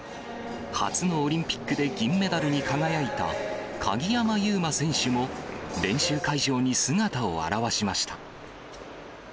初のオリンピックで銀メダルに輝いた、鍵山優真選手も、練習会場に姿を現しました。